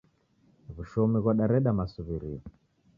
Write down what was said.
Wushomi ghwadareda masuw'irio